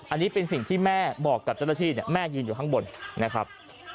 อันนี้เป็นสิ่งที่แม่บอกกับเจ้าหน้าที่แม่ยืนอยู่ข้างบนนะครับ